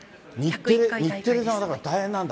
日テレはだから、大変なんだ。